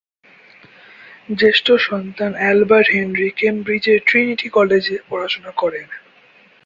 জ্যেষ্ঠ সন্তান Albert Henry কেমব্রিজের Trinity কলেজে পড়াশোনা করেন।